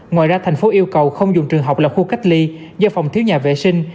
ngoài ra thành phố yêu cầu không dùng trường học là khu cách ly do phòng thiếu nhà vệ sinh